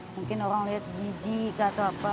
mungkin orang lihat jijik atau apa